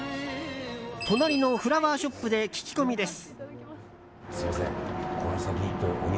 隣のフラワーショップで聞き込みです。